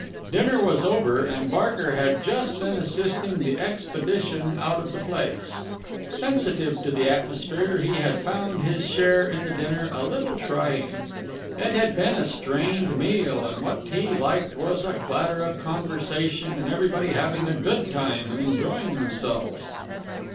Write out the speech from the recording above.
Dinner was over, and Barker had just been assisting the expedition out of the place. Sensitive to atmosphere, he had found his share in the dinner a little trying. It had been a strained meal, and what he liked was a clatter of conversation and everybody having a good time and enjoying themselves.